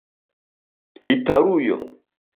italujo